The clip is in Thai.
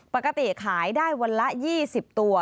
ปกติขายได้วันละ๒๐ตัว